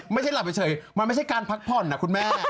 ไม่ใช่หลับเฉยมันไม่ใช่การพักผ่อนนะคุณแม่